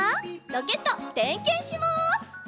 ロケットてんけんします。